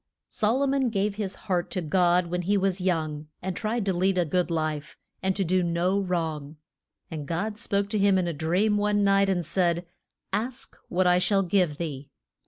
SOL O MON gave his heart to God when he was young, and tried to lead a good life, and to do no wrong. And God spoke to him in a dream one night and said, Ask what I shall give thee.